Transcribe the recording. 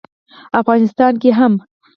افغانستان کې هم